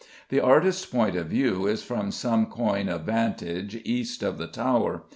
The artist's point of view is from some coign of vantage east of the Tower.